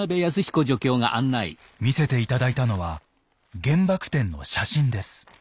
見せて頂いたのは原爆展の写真です。